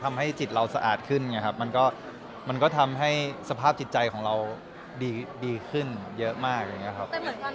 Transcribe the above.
ทำให้จิตเราสะอาดขึ้นไงครับมันก็ทำให้สภาพจิตใจของเราดีขึ้นเยอะมากอย่างนี้ครับ